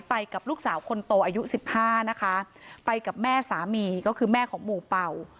ไปกับลูกสาวคนโตอายุสิบห้านะคะไปกับแม่สามีก็คือแม่ของหมู่เป่า